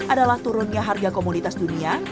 adalah turunnya harga komoditas dunia